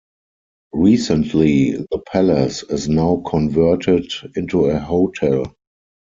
Recently, the palace is now converted into a hotel.